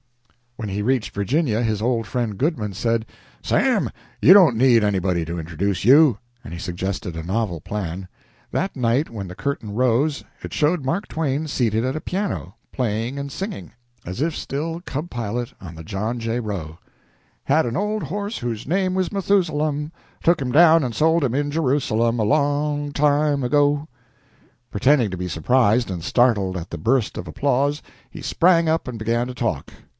When he reached Virginia, his old friend Goodman said, "Sam, you don't need anybody to introduce you," and he suggested a novel plan. That night, when the curtain rose, it showed Mark Twain seated at a piano, playing and singing, as if still cub pilot on the "John J. Roe:" "Had an old horse whose name was Methusalem, Took him down and sold him in Jerusalem, A long time ago." Pretending to be surprised and startled at the burst of applause, he sprang up and began to talk.